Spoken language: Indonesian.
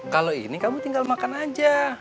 kalau ini kamu tinggal makan aja